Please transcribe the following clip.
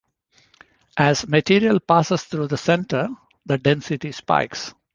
As material passes through the center, the density spikes.